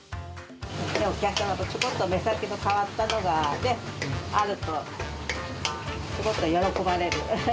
お客様もちょっと目先の変わったのがあるとすごく喜ばれる。